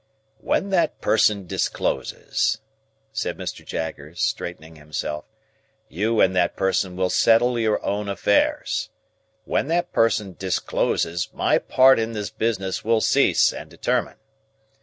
"When that person discloses," said Mr. Jaggers, straightening himself, "you and that person will settle your own affairs. When that person discloses, my part in this business will cease and determine.